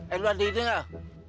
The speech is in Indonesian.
eh lo ada ide nggak